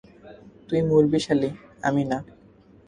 তুই মরবি শালী, আমি না!